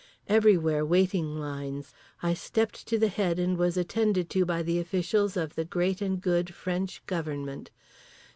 Everywhere waiting lines. I stepped to the head and was attended to by the officials of the great and good French Government.